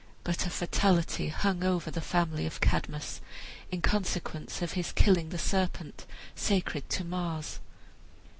But a fatality hung over the family of Cadmus in consequence of his killing the serpent sacred to Mars.